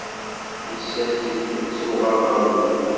Yessakel s uɣerrabu.